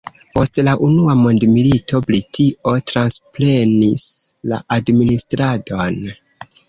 Post la unua mondmilito Britio transprenis la administradon.